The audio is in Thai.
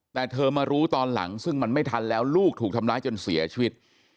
แต่เธอมารู้ตอนหลังซึ่งมันไม่ทันแล้วลูกถูกทำร้ายจนเสียชีวิต